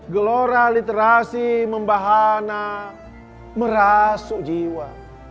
gelora literasi membahana merasuk jiwa